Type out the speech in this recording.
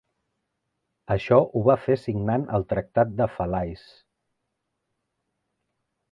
Això ho va fer signant el Tractat de Falaise.